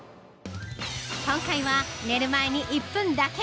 ◆今回は、寝る前に１分だけ。